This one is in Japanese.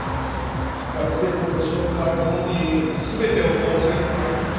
学生と年の変わらぬ者に全てを負わせるのはいささか。